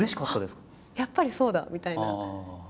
あっやっぱりそうだみたいな。